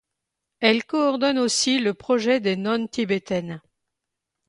Elle coordonne aussi le Projet des nonnes tibétaines.